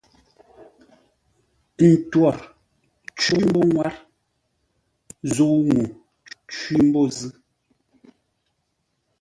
Ə ntwor cwí mbô ŋwár zə̂u ŋuu cwí mbô zʉ́.